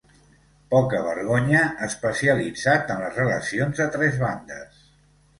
Poca-vergonya especialitzat en les relacions a tres bandes.